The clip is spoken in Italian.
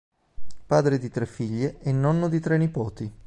Padre di tre figlie e nonno di tre nipoti.